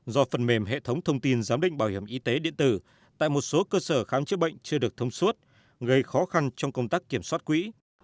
do phần mềm hệ thống thông tin giám định bảo hiểm y tế điện tử tại một số cơ sở khám chữa bệnh chưa được thông suốt gây khó khăn trong công tác kiểm soát quỹ